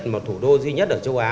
một thủ đô duy nhất ở châu á